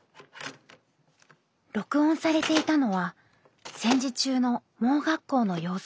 録音されていたのは戦時中の盲学校の様子。